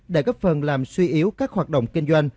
đã góp phần làm suy yếu các hoạt động kinh doanh